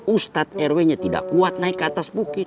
ustadz rw nya tidak kuat naik ke atas bukit